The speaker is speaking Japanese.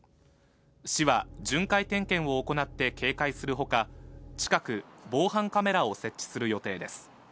市は巡回点検を行って警戒するほか、近く、防犯カメラを設置する予定です。